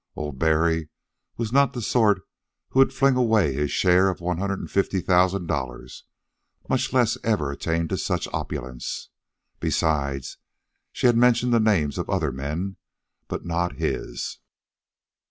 Old Barry was not the sort who would fling away his share of one hundred and fifty thousand dollars, much less ever attain to such opulence. Besides, she had mentioned the names of other men, but not his.